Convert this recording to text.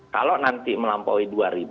kalau nanti melampaui dua